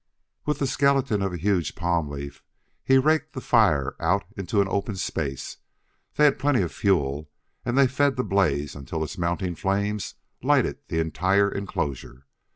With the skeleton of a huge palm leaf he raked the fire out into an open space; they had plenty of fuel and they fed the blaze until its mounting flames lighted the entire enclosure.